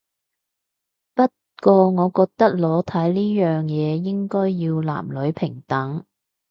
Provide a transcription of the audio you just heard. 不過我覺得裸體呢樣嘢應該要男女平等